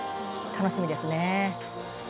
楽しみですね。